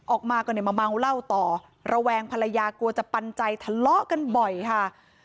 ออกมาก็เนี่ยมาเมาเหล้าต่อระแวงภรรยากลัวจะปันใจทะเลาะกันบ่อยค่ะ